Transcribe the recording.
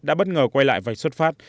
đã bất ngờ quay lại và xuất phát